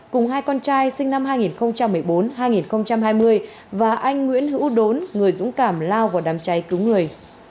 cùng hai con trai sinh năm hai nghìn một mươi bốn hai nghìn hai mươi và anh nguyễn hữu đốn người dũng cảm lao vào đám cháy cứu người